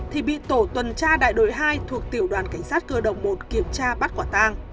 thì bị tổ tuần tra đại đội hai thuộc tiểu đoàn cảnh sát cơ động một kiểm tra bắt quả tang